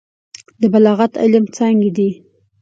د بلاغت علم څانګې دي.